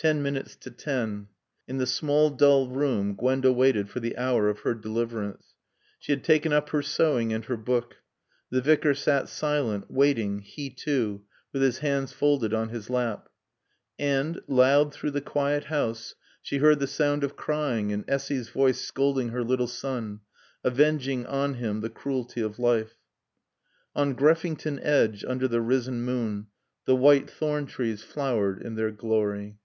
Ten minutes to ten. In the small dull room Gwenda waited for the hour of her deliverance. She had taken up her sewing and her book. The Vicar sat silent, waiting, he too, with his hands folded on his lap. And, loud through the quiet house, she heard the sound of crying and Essy's voice scolding her little son, avenging on him the cruelty of life. On Greffington Edge, under the risen moon, the white thorn trees flowered in their glory.